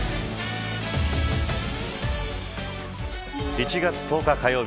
１月１０日火曜日